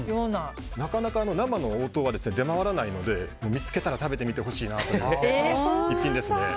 なかなか生の黄桃は出回らないので見つけたら食べてみてほしいなという一品です。